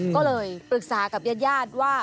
ก็เลยปรึกษากับญาติว่า